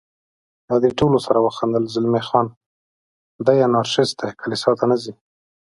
له دې سره ټولو وخندل، زلمی خان: دی انارشیست دی، کلیسا ته نه ځي.